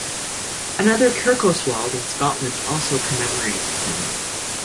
Another Kirkoswald in Scotland also commemorates him.